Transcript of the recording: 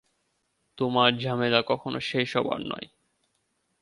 তোমার ঝামেলা কখনো শেষ হবার নয়।